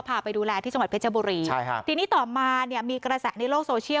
พาไปดูแลที่จังหวัดเพชรบุรีใช่ฮะทีนี้ต่อมาเนี่ยมีกระแสในโลกโซเชียล